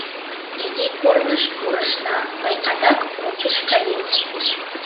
Изи корныш пурышна, мый адак ончыч каем.